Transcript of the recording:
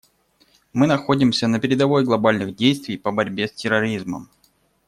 Мы находимся на передовой глобальных действий по борьбе с терроризмом.